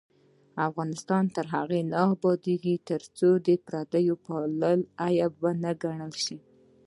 افغانستان تر هغو نه ابادیږي، ترڅو پردی پالنه عیب ونه ګڼل شي.